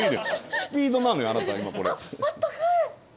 スピードなのよ